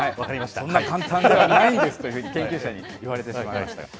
そんな簡単ではないですと、研究者に言われてしまいました。